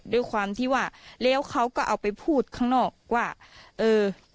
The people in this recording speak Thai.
ด้วยความที่ว่าแล้วเขาก็เอาไปพูดข้างนอกว่าเออ